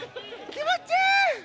気持ちいい！